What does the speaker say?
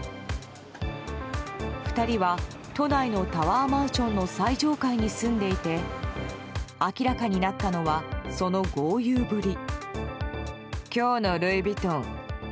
２人は都内のタワーマンションの最上階に住んでいて明らかになったのはその豪遊ぶり。